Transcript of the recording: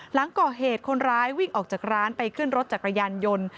หลังก่อเหตุคนร้ายวิ่งออกจากร้านไปขึ้นรถจักรยานยนต์